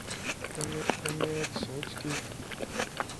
Ala mi ara ttesseɣ ay ttkeyyifeɣ.